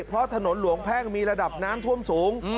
เพราะถนนหลวงแพ่งมีระดับน้ำท่วมสูง